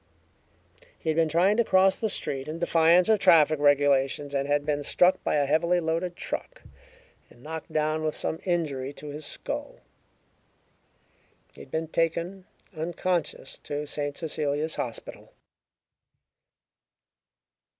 He had been trying to cross the street in defiance of traffic regulations, and had been struck by a heavily loaded truck and knocked down, with some injury to his skull. He had been taken, unconscious, to St. Cecilia's Hospital.